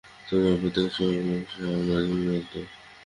তোমরা প্রত্যেকেই সর্বাংশে আমারই মত।